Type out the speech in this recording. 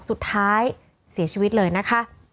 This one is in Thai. สุดท้ายเสียชีวิตเลยนะคะ